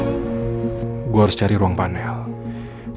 tempat security mengawasi cctv dan menyimpan rekamannya